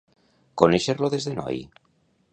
Conèixer-lo des de noi.